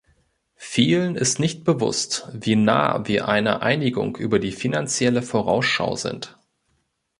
Vielen ist nicht bewusst, wie nah wir einer Einigung über die Finanzielle Vorausschau sind.